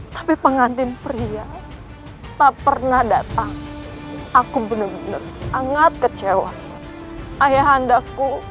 tapi pengantin pria tak pernah datang aku benar benar sangat kecewa ayah andakum